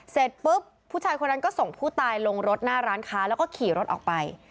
เสร็จปุ๊บผู้ชายคนนั้นก็ส่งผู้ตายลงรถหน้าร้านค้าแล้วก็ขี่รถออกไป